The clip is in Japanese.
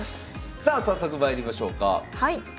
さあ早速まいりましょうか。